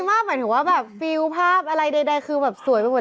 หมายถึงว่าแบบฟิลภาพอะไรใดคือแบบสวยไปหมด